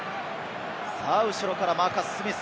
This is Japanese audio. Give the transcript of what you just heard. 後ろからマーカス・スミス。